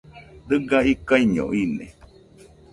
Dɨga ikaiño ine